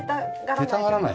出たがらない？